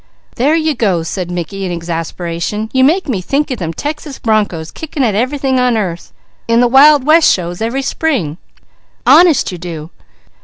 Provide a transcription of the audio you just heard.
"There you go!" said Mickey in exasperation. "You make me think of them Texas bronchos kicking at everything on earth, in the Wild West shows every spring. Honest you do!"